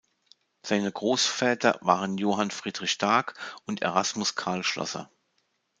Seine Großväter waren Johann Friedrich Starck und Erasmus Carl Schlosser.